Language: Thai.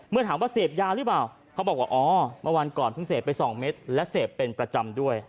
ถามว่าเสพยาหรือเปล่าเขาบอกว่าอ๋อเมื่อวันก่อนเพิ่งเสพไป๒เม็ดและเสพเป็นประจำด้วย